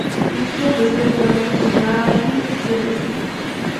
Christian reside actualmente en Nashville, Tennessee.